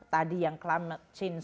tadi yang climate change